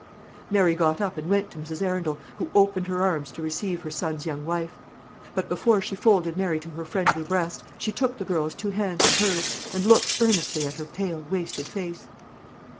Mary got up and went to Mrs. Arundel, who opened her arms to receive her son's young wife. But before she folded Mary to her friendly breast, she took the girl's two hands in hers, and looked earnestly at her pale, wasted face.